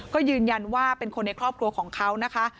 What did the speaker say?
ก็ยืนยันว่าเป็นคนในครอบครัวของเขานะคะ